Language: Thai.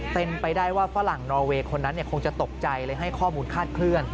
เป็นไปได้ว่าฝรั่งนอเวย์คนนั้นคงจะตกใจเลยให้ข้อมูลคาดเคลื่อน